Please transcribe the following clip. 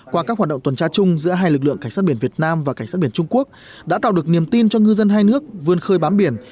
qua các hoạt động tuần tra chung giữa hai lực lượng cảnh sát biển việt nam và cảnh sát biển trung quốc đã tạo được niềm tin cho ngư dân hai nước vươn khơi bám biển